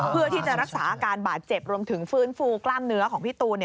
เพื่อที่จะรักษาอาการบาดเจ็บรวมถึงฟื้นฟูกล้ามเนื้อของพี่ตูน